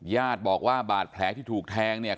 ญาติบอกว่าบาดแผลที่ถูกแทงเนี่ย